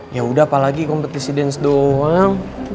yaudah apalagi kompetisi dance doang